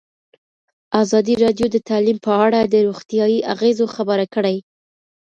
ازادي راډیو د تعلیم په اړه د روغتیایي اغېزو خبره کړې.